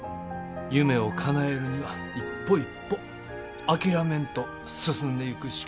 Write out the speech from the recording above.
夢をかなえるには一歩一歩諦めんと進んでいくしかあれへんねん。